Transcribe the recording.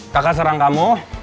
kakak serang kamu